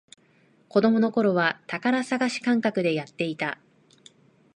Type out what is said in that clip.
子供のころは宝探し感覚でやってた